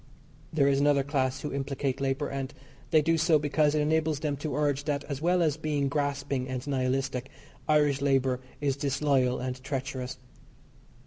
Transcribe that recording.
There is another class who implicate labour, and they do so because it enables them to urge that as well as being grasping and nihilistic, Irish labour is disloyal and treacherous.